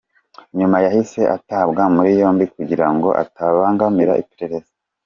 Nyuma yahise atabwa muri yombi kugira ngo atabangamira iperereza.